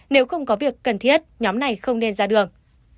nếu không có việc cần thiết nhóm này không nên ra đường